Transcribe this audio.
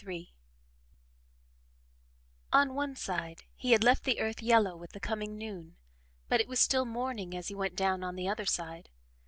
III On one side he had left the earth yellow with the coming noon, but it was still morning as he went down on the other side.